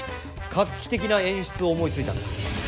画期的な演出を思いついたんだ。